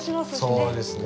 そうですね。